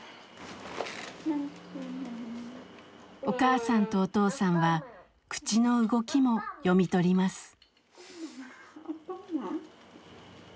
お母さんとお父さんは口の動きも読み取ります。